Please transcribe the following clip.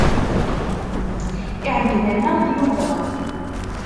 Iɛeyyen-aneɣ-d Yuba.